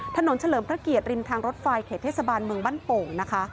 เฉลิมพระเกียรติริมทางรถไฟเขตเทศบาลเมืองบ้านโป่งนะคะ